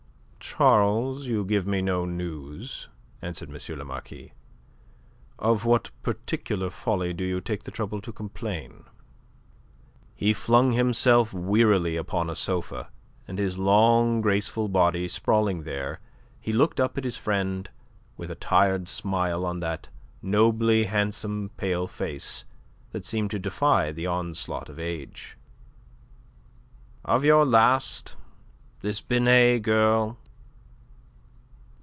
"Charles, you give me no news," answered M. le Marquis. "Of what particular folly do you take the trouble to complain?" He flung himself wearily upon a sofa, and his long graceful body sprawling there he looked up at his friend with a tired smile on that nobly handsome pale face that seemed to defy the onslaught of age. "Of your last. This Binet girl."